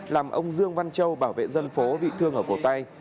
làm ông dương văn châu bảo vệ dân phố bị thương ở cổ tay